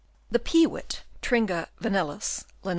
The Peewit (Tringa vanellus, Linn.)